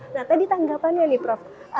nah tadi tanggapannya nih prof